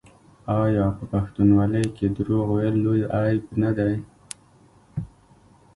آیا په پښتونولۍ کې دروغ ویل لوی عیب نه دی؟